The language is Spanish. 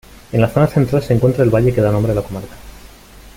En la zona central se encuentra el valle que da nombre a la comarca.